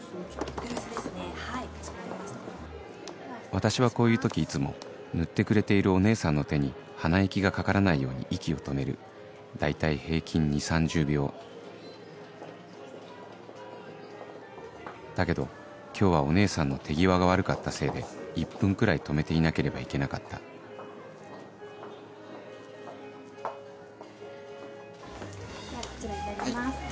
私はこういう時いつも塗ってくれているお姉さんの手に鼻息が掛からないように息を止める大体平均２０３０秒だけど今日はお姉さんの手際が悪かったせいで１分くらい止めていなければいけなかったこちらになります。